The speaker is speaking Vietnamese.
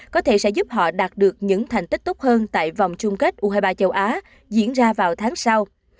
có thể sẽ giúp họ đạt được những thành tích tốt hơn tại vòng chung kết u hai mươi ba châu á diễn ra vào tháng sau